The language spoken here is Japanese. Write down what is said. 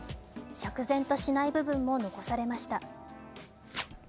釈然としない部分も残されました。